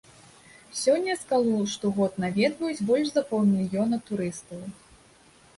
Сёння скалу штогод наведваюць больш за паўмільёна турыстаў.